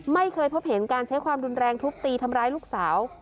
ไม่เคยพบเห็นการใช้ความรุนแรงทุบตีทำร้ายลูกสาว